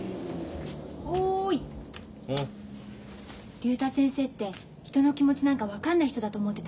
竜太先生って人の気持ちなんか分かんない人だと思ってた。